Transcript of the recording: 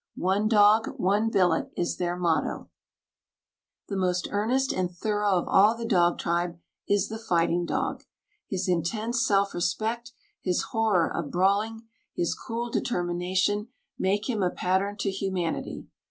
One dog one billet is their motto. The most earnest and thorough of all the dog tribe is the fighting dog. His intense self respect, his horror of brawling, his cool determination, make him a pattern to humanity.